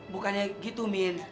bukannya gitu mimin